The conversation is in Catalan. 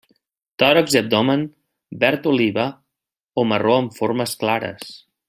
Tòrax i abdomen verd oliva o marró amb formes clares.